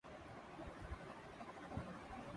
آپ نے بہت عمدہ پیراۓ میں زندگی کی حقیقتوں کو بیان کیا ہے۔